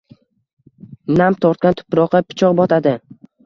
Nam tortgan tuproqqa pichoq botadi.